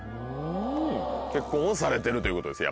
結婚はされてるということです